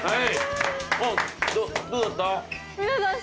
どうだった？